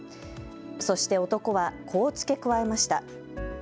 そして男は、こう付け加えました。